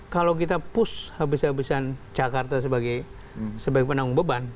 kalau kita push habis habisan jakarta sebagai penanggung beban